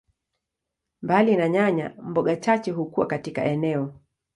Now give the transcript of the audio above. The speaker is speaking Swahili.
Mbali na nyanya, mboga chache hukua katika eneo.